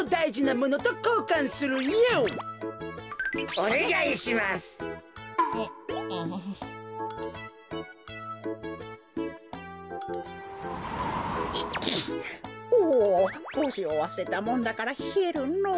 おぉぼうしをわすれたもんだからひえるのぉ。